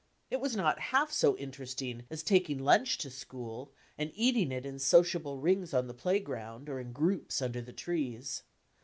It was not half so interesting as taking lunch to school and eating it in sociable rings on the play ground, or in groups under the trees.